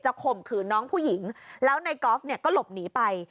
ข่มขืนน้องผู้หญิงแล้วในกอล์ฟเนี่ยก็หลบหนีไป